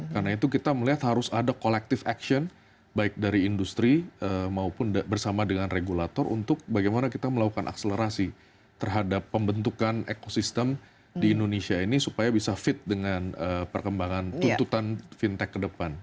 karena itu kita melihat harus ada collective action baik dari industri maupun bersama dengan regulator untuk bagaimana kita melakukan akselerasi terhadap pembentukan ekosistem di indonesia ini supaya bisa fit dengan perkembangan tuntutan fintech ke depan